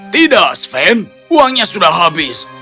tidak sven uangnya sudah habis